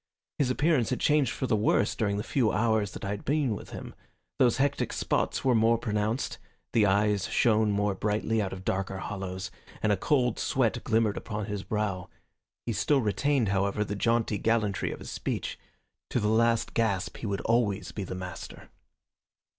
His appearance had changed for the worse during the few hours that I had been with him. Those hectic spots were more pronounced, the eyes shone more brightly out of darker hollows, and a cold sweat glimmered upon his brow. He still retained, however, the jaunty gallantry of his speech. To the last gasp he would always be the master.